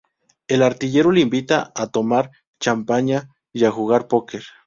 El artillero le invita a tomar champaña y a jugar poker.